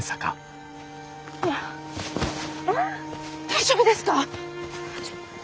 大丈夫ですか？